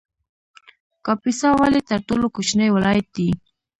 کاپیسا ولې تر ټولو کوچنی ولایت دی؟